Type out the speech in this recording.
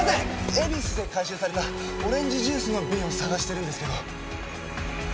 恵比寿で回収されたオレンジジュースの瓶を探してるんですけど。